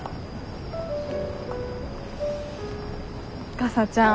かさちゃん。